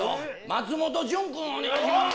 松本潤君お願いします。